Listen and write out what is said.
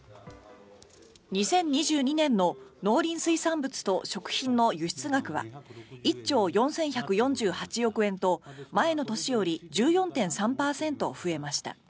２０２２年の農林水産物と食品の輸出額は１兆４１４８億円と前の年より１４．３％増えました。